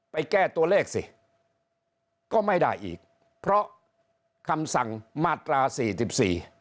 ไปแก้ตัวเลขสิก็ไม่ได้อีกเพราะคำสั่งมาตราสี่สิบสี่